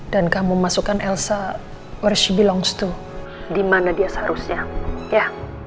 dan kamu masukkan elsa where she belongs to dimana dia seharusnya ya